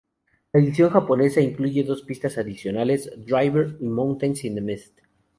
La edición japonesa incluye dos pistas adicionales, "Driver" y "Mountains in the Mist".